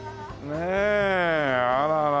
ねえあららら。